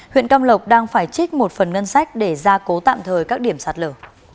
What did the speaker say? huyện cam lộc đang phải trích một phần ngân sách để gia cố tạm thời các điểm sạt lở